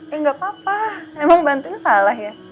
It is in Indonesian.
ya gapapa emang bantuin salah ya